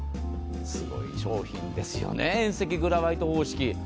すごい商品ですよね、遠赤グラファイト方式。